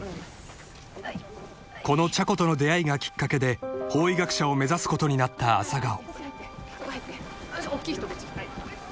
［この茶子との出会いがきっかけで法医学者を目指すことになった朝顔］